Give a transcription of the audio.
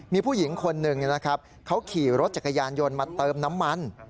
มีผู้หญิงคนหนึ่งนะครับเขาขี่รถจักรยานยนต์มาเติมน้ำมัน